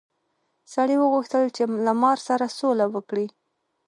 سړي وغوښتل چې له مار سره سوله وکړي.